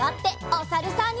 おさるさん。